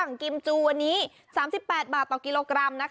กิมจูวันนี้๓๘บาทต่อกิโลกรัม